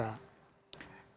jalan tol trans sumatera